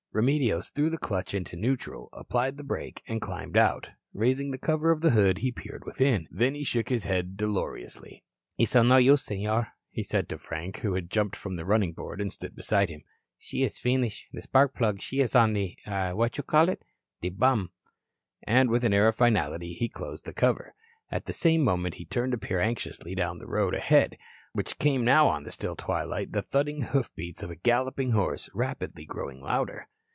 Remedios threw the clutch into neutral, applied the brake, and climbed out. Raising the cover of the hood, he peered within. Then he shook his head dolorously. "It is of no use, Senor," he said to Frank, who had jumped from the running board and stood beside him. "She is finish. The spark plug, she is on the what you call it? the bum." And with an air of finality, he closed the cover. At the same moment he turned to peer anxiously down the road ahead, whence came now on the still twilight the thudding hoofbeats of a galloping horse, rapidly growing louder.